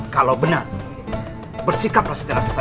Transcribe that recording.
kalau benar bersikaplah setiap saat saja pak